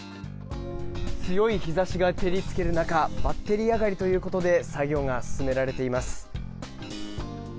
強い日差しが照りつける中バッテリー上がりということで作業が進められています。